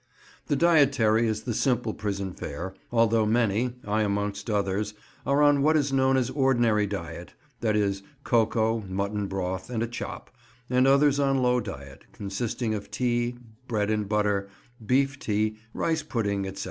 The dietary is the simple prison fare, although many (I amongst others) are on what is known as ordinary diet—i.e., cocoa, mutton broth, and a chop—and others on low diet, consisting of tea, bread and butter, beef tea, rice pudding, etc.